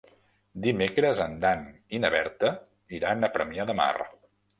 Dimecres en Dan i na Berta iran a Premià de Mar.